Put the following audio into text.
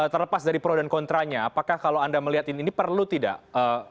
terlepas dari pro dan kontranya apakah kalau anda melihat ini perlu tidak